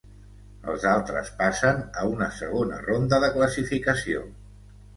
Els altres passen a una segona ronda de classificació.